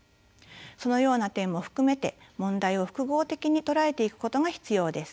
そのような点も含めて問題を複合的に捉えていくことが必要です。